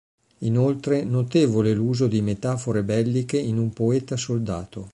Inoltre, notevole l'uso di metafore belliche in un poeta soldato.